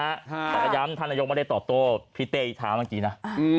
แต่กระย้ำท่านนโยคไม่ได้ตอบโตพี่เต้อีกทางบางทีนะ